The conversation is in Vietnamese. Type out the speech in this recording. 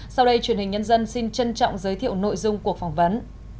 sau đây truyền hình nhân dân xin trân trọng giới thiệu nội dung cuộc phỏng vấn